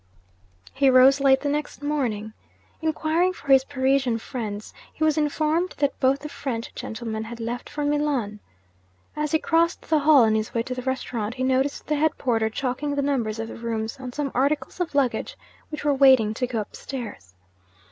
He rose late the next morning. Inquiring for his Parisian friends, he was informed that both the French gentlemen had left for Milan. As he crossed the hall, on his way to the restaurant, he noticed the head porter chalking the numbers of the rooms on some articles of luggage which were waiting to go upstairs.